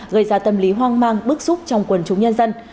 gây ra tâm lý hoang mang bức xúc trong quần chúng nhân dân